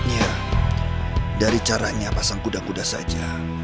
ya dari caranya pasang kuda kuda saja